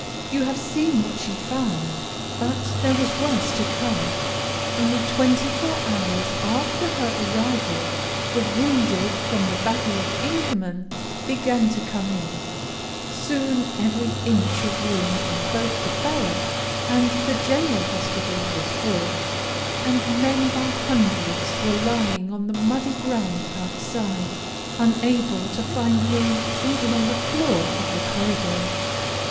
You have seen what she found; but there was worse to come. Only twenty four hours after her arrival, the wounded from the battle of Inkerman began to come in; soon every inch of room in both the Barrack and the General hospital was full, and men by hundreds were lying on the muddy ground outside, unable to find room even on the floor of the corridor.